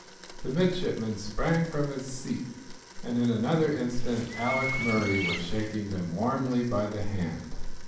The midshipman sprang from his seat, and in another instant Alick Murray was shaking them warmly by the hand.